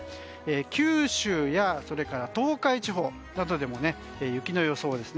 九州や東海地方などでも雪の予想です。